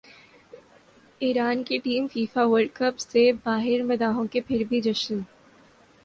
ایران کی team FIFA World cup سے باہرمداحوں کا پھر بھی جشن